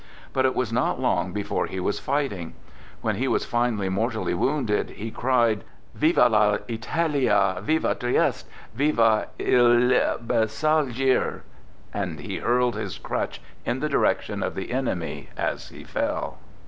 But it was not long before he was fighting. When he was finally mortally wounded, he cried " Viva Tltalial Viva Trieste! Viva il Bersagliere! " and he hurled his crutch in the direction of the enemy as he fell.